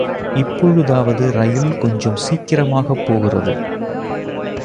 இப்பொழுதாவது ரயில் கொஞ்சம் சீக்கிரமாகப் போகிறது.